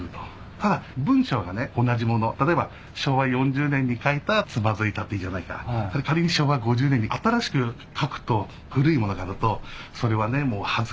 ただ文章がね同じもの例えば昭和４０年に書いた『つまづいたっていいじゃないか』仮に昭和５０年に新しく書くと。